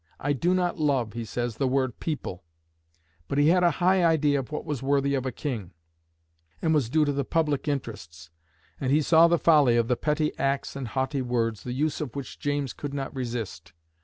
"I do not love," he says, "the word people." But he had a high idea of what was worthy of a king, and was due to the public interests, and he saw the folly of the petty acts and haughty words, the use of which James could not resist.